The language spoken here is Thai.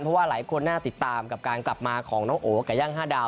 เพราะว่าหลายคนน่าติดตามกับการกลับมาของน้องโอ๋ไก่ย่าง๕ดาว